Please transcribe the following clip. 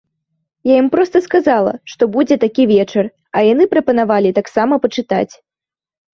Я ім проста сказала, што будзе такі вечар, а яны прапанавалі таксама пачытаць.